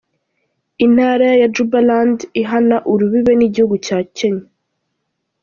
Intara ya Jubaland ihana urubibe n’igihugu ca Kenya.